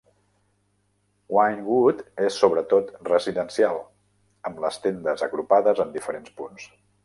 Wynnewood és sobre tot residencial, amb les tendes agrupades en diferents punts.